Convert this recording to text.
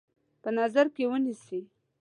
په نظر کې ونیسي.